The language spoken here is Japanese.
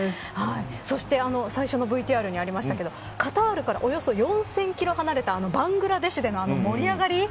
そして、最初のＶＴＲにもありましたがカタールからおよそ４０００キロ離れたバングラデシュでの盛り上がり。